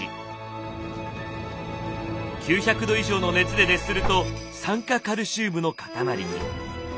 ９００度以上の熱で熱すると酸化カルシウムの塊に。